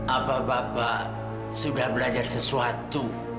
apa bapak sudah belajar sesuatu